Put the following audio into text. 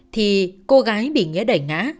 thì cô gái bị nghĩa đẩy ngã